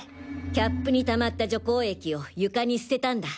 キャップに溜まった除光液を床に捨てたんだ。